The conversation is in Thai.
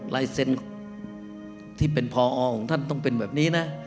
ลายเซ็นต์ที่เป็นพอของท่านต้องเป็นแบบนี้นะ